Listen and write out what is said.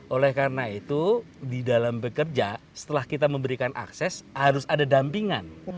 oleh karena itu di dalam bekerja setelah kita memberikan akses harus ada dampingan